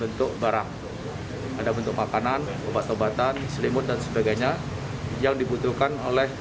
untuk barang ada bentuk makanan obat obatan selimut dan sebagainya yang dibutuhkan oleh